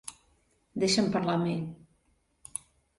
Deixa'm parlar amb ell.